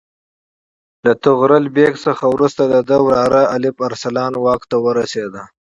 له طغرل بیګ څخه وروسته د ده وراره الپ ارسلان واک ته ورسېد.